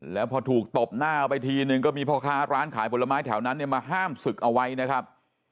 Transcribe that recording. แล้วพอถูกตบหน้าไปทีนึงก็มีพ่อค้าร้านขายผลไม้แถวนั้นเนี่ยมาห้ามศึกเอาไว้นะครับ